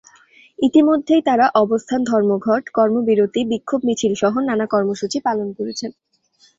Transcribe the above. ইতিমধ্যেই তাঁরা অবস্থান ধর্মঘট, কর্মবিরতি, বিক্ষোভ মিছিলসহ নানা কর্মসূচি পালন করেছেন।